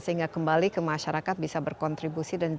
sehingga kembali ke masyarakat bisa berkontribusi